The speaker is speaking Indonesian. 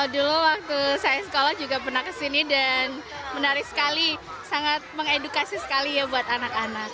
dulu waktu saya sekolah juga pernah kesini dan menarik sekali sangat mengedukasi sekali ya buat anak anak